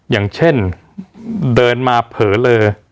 อย่างเช่นเดินมาเผลอเลอ